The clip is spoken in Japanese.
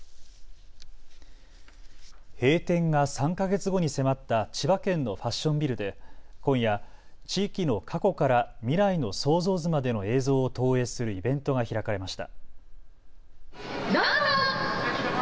閉店が３か月後に迫った千葉県のファッションビルで今夜、地域の過去から未来の想像図までの映像を投影するイベントが開かれました。